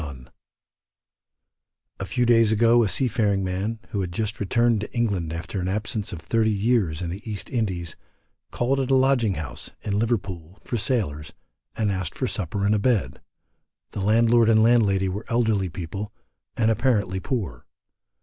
A few days ago a sea faring man, who had just returned to England after an absence of thirty years in the East Indies, called at a lodging house, in Liverpool, for sailors, and asked for supper and a bed; the landlord and landlady were elderly people, and apparently poor.